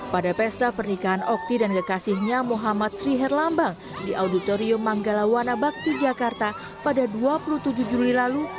pada pesta pernikahan okti dan kekasihnya muhammad sriherlambang di auditorium manggala wanabakti jakarta pada dua puluh tujuh juli lalu